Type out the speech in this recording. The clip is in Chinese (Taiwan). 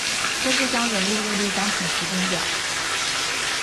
就是將人力物力當成時間表